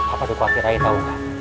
apa ada khawatir aja tau nggak